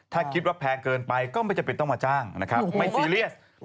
ถ้าคิดว่าแพงเกินไปก็ไม่จำเป็นต้องมาจ้างนะครับไม่ซีเรียส